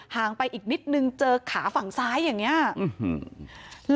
ห่างไปอีกนิดหนึ่งเจอขาฝั่งซ้ายอย่างเงี้ยอื้อหือ